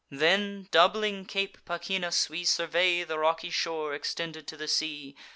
Then, doubling Cape Pachynus, we survey The rocky shore extended to the sea.